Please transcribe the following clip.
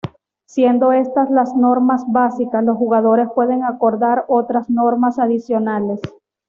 Siendo estas las normas básicas, los jugadores pueden acordar otras normas adicionales.